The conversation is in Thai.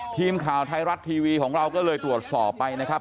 ทีมข่าวไทยรัฐทีวีของเราก็เลยตรวจสอบไปนะครับ